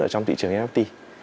ở trong thị trường nft